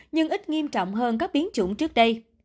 nhưng ít nghiêm trọng hơn các biến chủng trước đây